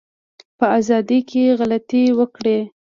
په ازادی کی غلطي وکړی